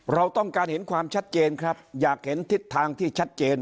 เราต้องการเห็นความชัดเจนครับอยากเห็นทิศทางที่ชัดเจน